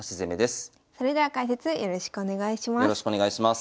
それでは解説よろしくお願いします。